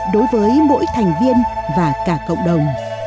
đối với mỗi thành viên và cả cộng đồng